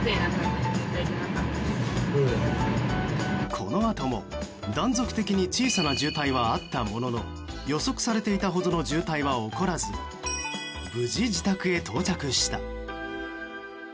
このあとも断続的に小さな渋滞はあったものの予測されていたほどの渋滞は起こらず無事、自宅へ到着した。